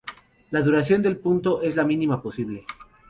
La duración del punto es la mínima posible.